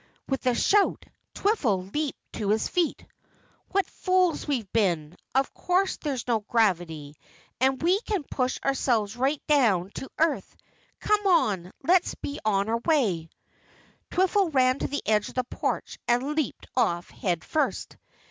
With a shout, Twiffle leaped to his feet. "What fools we've been! Of course there's no gravity, and we can push ourselves right down to earth! Come on, let's be on our way." Twiffle ran to the edge of the porch and leaped off head first.